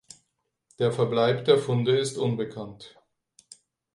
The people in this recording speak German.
Der Verbleib der Funde ist unbekannt.